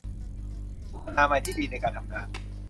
มีสุขอนามัยที่ดีในการทำงาน